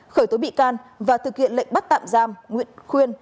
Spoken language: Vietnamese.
khởi tố bị can và thực hiện lệnh bắt tạm giam nguyễn khuyên